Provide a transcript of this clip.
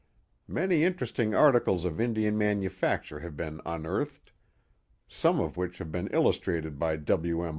Many interesting articles of Indian manufacture have been unearthed, some of which have been illustrated by W. M.